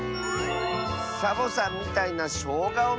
「サボさんみたいなしょうがをみつけた！」。